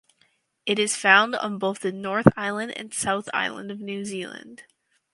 It is found on both the North Island and South Island of New Zealand.